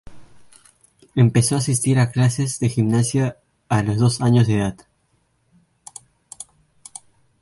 Empezó a asistir a clases de gimnasia a los dos años de edad.